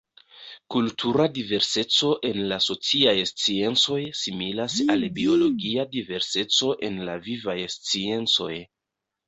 Kultura diverseco en la sociaj sciencoj similas al biologia diverseco en la vivaj sciencoj.